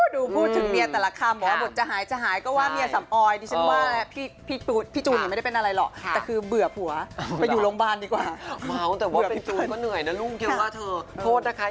ดูพูดถึงเมียแต่ละคำบอกว่าบทจะหายจะหาย